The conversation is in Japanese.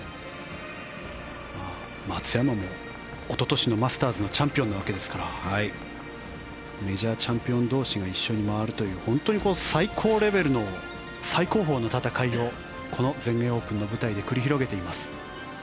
松山も、おととしのマスターズのチャンピオンなわけですからメジャーチャンピオン同士が一緒に回るという本当に最高レベルの最高峰の戦いをこの全英オープンの舞台で繰り広げています。